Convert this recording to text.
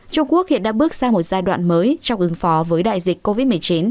trung quốc hiện đã bước sang một giai đoạn mới trong ứng phó với đại dịch covid một mươi chín